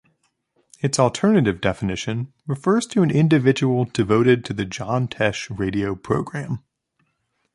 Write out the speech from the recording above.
It's alternative definition refers to an individual devoted to the John Tesh radio program.